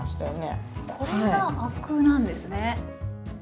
これがアクなんですね。